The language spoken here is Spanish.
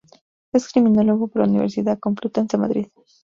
Es criminólogo por la Universidad Complutense de Madrid.